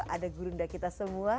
ada gurunda kita semua